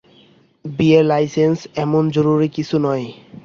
বিয়ের লাইসেন্স এমন জরুরি কিছু নয়।